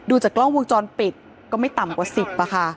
ดูจากกล้องวงจรปิดก็ไม่ต่ำกว่าสิบอ่ะค่ะ